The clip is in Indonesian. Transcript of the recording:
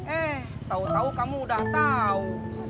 eh tahu tahukamu udah tahu